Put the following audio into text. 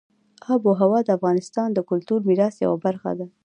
آب وهوا د افغانستان د کلتوري میراث یوه برخه ده.